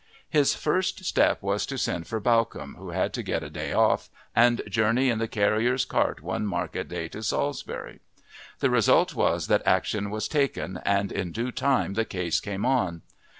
His first step was to send for Bawcombe, who had to get a day off and journey in the carrier's cart one market day to Salisbury. The result was that action was taken, and in due time the case came on.